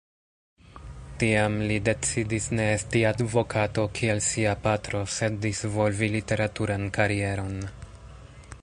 Tiam, li decidis ne esti advokato, kiel sia patro, sed disvolvi literaturan karieron.